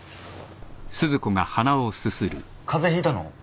風邪ひいたの？